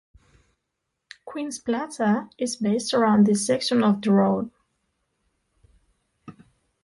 Queens Plaza is based around this section of the road.